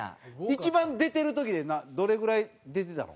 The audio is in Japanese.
一番出てる時でどれぐらい出てたの？